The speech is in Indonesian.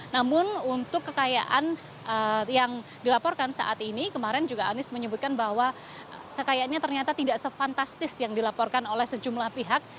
namun untuk kekayaan yang dilaporkan saat ini kemarin juga anies menyebutkan bahwa kekayaannya ternyata tidak se fantastis yang dilaporkan oleh sejumlah pihak